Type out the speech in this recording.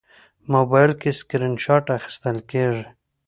موبایل کې سکرین شات اخیستل کېږي.